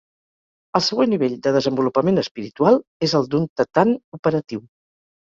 El següent nivell de desenvolupament espiritual és el d'un thetan operatiu.